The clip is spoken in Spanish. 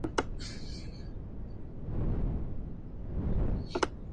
El coronel Jenkins guio a los exploradores en esta brigada.